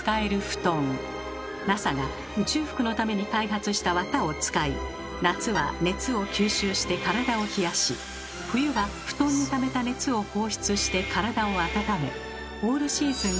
ＮＡＳＡが宇宙服のために開発したわたを使い夏は熱を吸収して体を冷やし冬は布団にためた熱を放出して体を温めオールシーズン